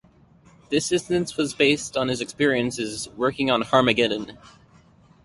This insistence was based on his experiences working on "Harmagedon".